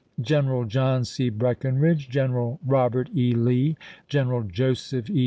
General John C. Breckinridge, Gen eral Robert E. Lee, General Joseph E.